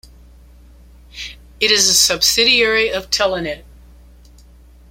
It is a subsidiary of Telenet.